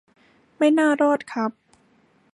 ไม่น่ารอดครับ